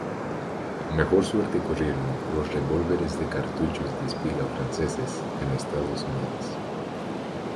Mejor suerte corrieron los revólveres de cartuchos de espiga franceses en Estados Unidos.